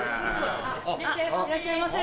いらっしゃいませ。